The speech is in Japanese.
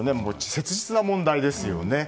切実な問題ですよね。